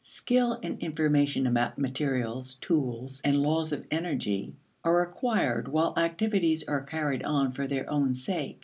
Skill and information about materials, tools, and laws of energy are acquired while activities are carried on for their own sake.